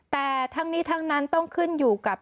แต่ทั้งนี้ทั้งนั้นต้องขึ้นอยู่กับ